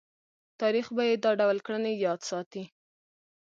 تاریخ به یې دا ډول کړنې یاد ساتي.